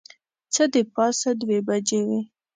څه د پاسه دوې بجې وې.